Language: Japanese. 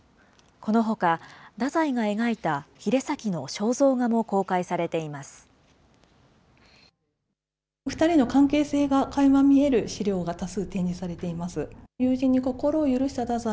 このほか、太宰が描いた鰭崎の肖像画も公開されています。